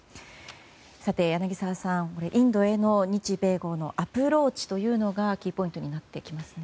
さて、柳澤さん、インドへの日米豪のアプローチというのがキーポイントになってきますね。